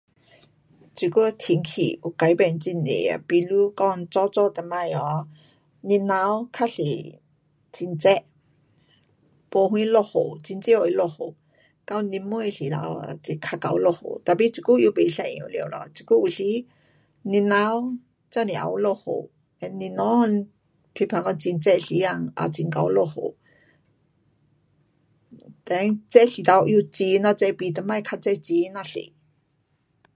这久的天气有改变很多啊，比如讲早早以前哦，年头较多很热，没什落雨，很少会落雨，到年尾时头，就较会落雨。tapi这久又不一样了咯。这久有时年头真是也有落雨，嘞年中譬如讲很热时间，也很会落雨。then热时头又很呀热比以前较热很呀多。